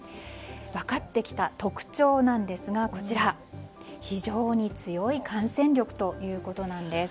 分かってきた特徴なんですが非常に強い感染力ということなんです。